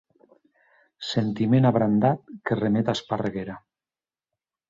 Sentiment abrandat que remet a Esparraguera.